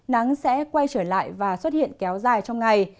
nắng sẽ quay trở lại và xuất hiện kéo dài trong ngày